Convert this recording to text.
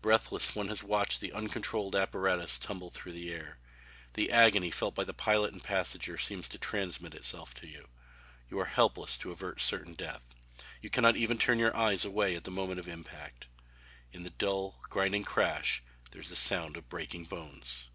Breathless one has watched the uncontrolled apparatus tumble through the air. The agony felt by the pilot and passenger seems to transmit itself to you. You are helpless to avert the certain death. You cannot even turn your eyes away at the moment of impact. In the dull, grinding crash there is the sound of breaking bones.